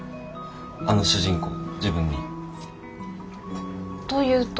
あの主人公自分に。というと？